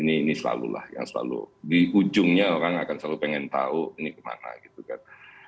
ini selalu lah yang selalu di ujungnya orang akan selalu pengen tahu ini kemana gitu kan